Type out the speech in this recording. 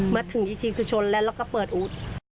มาถึงยี่ทีคือชนแล้วก็เปิดอูด